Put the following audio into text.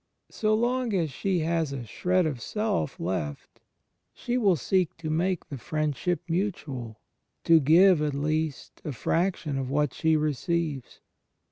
So long as she has a shred 30 THE FRIENDSHIP OF CHRIST of self left she will seek to make the friendship mutual, to give, at least, a fraction of what she receives.